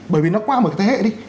bởi vì nó qua một thế hệ đi